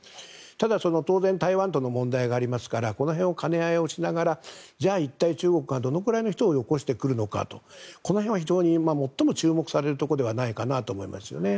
ただ、当然台湾との問題もありますから兼ね合いをしながら一体、中国がどのくらいの人をよこしてくるのかは最も注目されるところではないかと思いますね。